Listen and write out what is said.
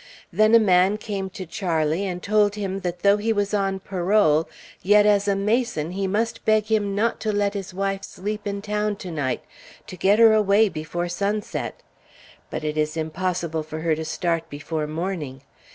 Then a man came to Charlie, and told him that though he was on parole, yet as a Mason he must beg him not to let his wife sleep in town to night; to get her away before sunset. But it is impossible for her to start before morning.